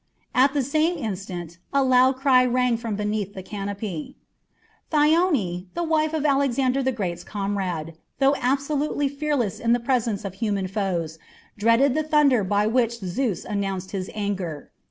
At the same instant a loud cry rang from beneath the canopy. Thyone, the wife of Alexander the Great's comrade, though absolutely fearless in the presence of human foes, dreaded the thunder by which Zeus announced his anger.